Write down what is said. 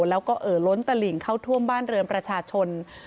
แล้วก็เอ่อล้นตลิ่งเข้าท่วมบ้านเรือนประชาชน